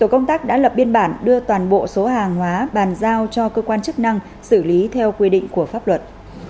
công tác đã lập biên bản đưa toàn bộ số hàng hóa bàn giao cho cơ quan chức năng xử lý theo quy định của pháp luật